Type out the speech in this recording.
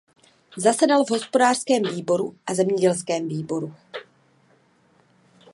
Zasedal v Hospodářském výboru a Zemědělském výboru.